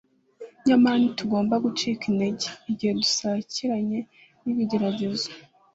Nyamara ntitugomba gucika intege igihe dusakiranye n'ibigeragezo.